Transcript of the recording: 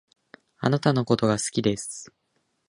貴方のことが好きです